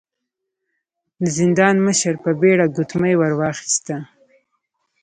د زندان مشر په بيړه ګوتمۍ ور واخيسته.